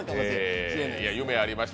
夢、ありました。